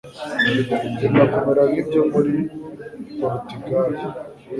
byenda kumera nk'ibyo muri Porutugali.